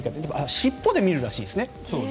尻尾で見るらしいですね。